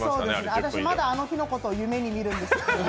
私、まだあの日のことを夢に見るんですけど。